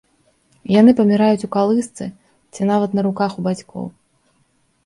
Яны паміраюць у калысцы ці нават на руках у бацькоў.